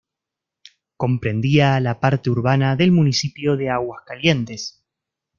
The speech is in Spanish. Comprendía la parte urbana del municipio de Aguascalientes.